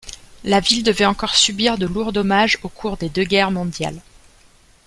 La ville devait encore subir de lourds dommages au cours des deux guerres mondiales.